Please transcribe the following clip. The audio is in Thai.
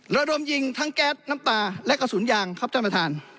ระดมยิงทั้งแก๊สน้ำตาและกระสุนยางครับท่านประธาน